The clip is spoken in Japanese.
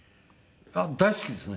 大好きですね。